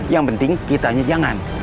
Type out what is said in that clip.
yang penting kita hanya jangan